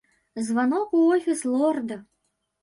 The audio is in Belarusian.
Званок у офіс лорда.